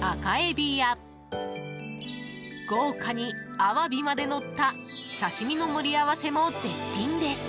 赤エビや豪華にアワビまでのった刺し身の盛り合わせも絶品です。